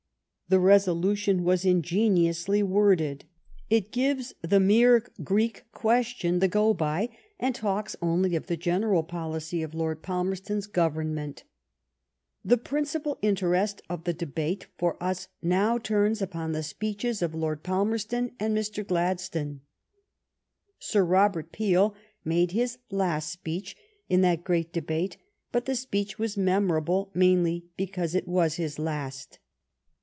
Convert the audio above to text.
The resolution was ingeniously worded. It gives the mere Greek question the go by, and talks only of the general policy of Lord Palmer ston's Government. The principal interest of the debate for us now turns upon the speeches of Lord Palmerston and Mr. Gladstone. Sir Robert Peel made his last speech in that great debate, but the speech was memorable mainly because it was his last.